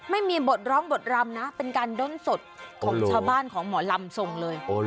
ไม่มีบทร้องบทรำนะเป็นการด้นสดของชาวบ้านของหมอลำทรงเลย